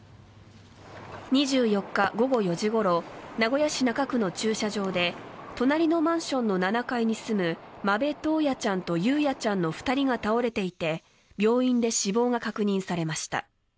２４日午後４時ごろ名古屋市中区の駐車場で隣のマンションの７階に住む間部登也ちゃんと雄也ちゃんの２人が倒れていて病院で死亡が確認されました。